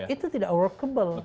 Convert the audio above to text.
itu tidak workable